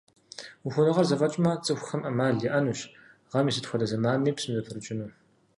Ухуэныгъэр зэфӀэкӀмэ, цӀыхухэм Ӏэмал яӀэнущ гъэм и сыт хуэдэ зэманми псым зэпрыкӀыну.